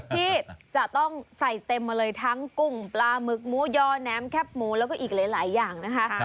ที่จะต้องใส่เต็มมาเลยทั้งกุ้งปลาหมึกหมูยอแนมแคบหมูแล้วก็อีกหลายอย่างนะคะ